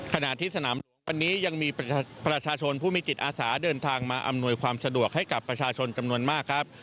ขณะที่สนามวันนี้ยังมีประชาชนผู้มีจิตอาสาเดินทางมาอำนวยความสะดวกให้กับประชาชนจำนวนมากครับ